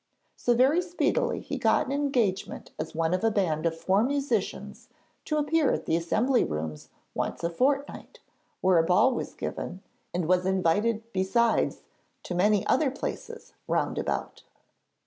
So very speedily he got an engagement as one of a band of four musicians to appear at the Assembly Rooms once a fortnight, where a ball was given, and was invited besides to many other places round about.